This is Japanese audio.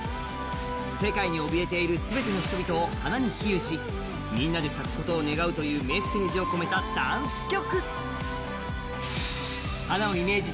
世界に怯えている全ての人々を花にイメージしみんなで咲くことを願うというメッセージを込めたダンス曲。